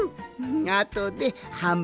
あとではん